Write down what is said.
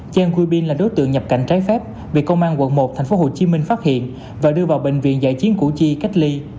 giang gui bin là đối tượng nhập cảnh trái phép bị công an quận một tp hcm phát hiện và đưa vào bệnh viện giải chiến củ chi cách ly